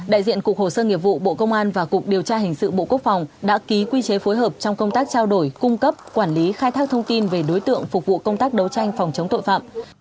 đại diện cục hồ sơ nghiệp vụ bộ công an và cục điều tra hình sự bộ quốc phòng đã ký quy chế phối hợp trong công tác trao đổi cung cấp quản lý khai thác thông tin về đối tượng phục vụ công tác đấu tranh phòng chống tội phạm